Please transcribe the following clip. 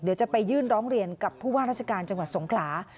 เดี๋ยวจะไปยื่นร้องเรียนกับผู้ว่าราชการจังหวัดสงขลา